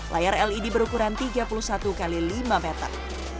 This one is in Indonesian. layar led berukuran tiga puluh satu x lima meter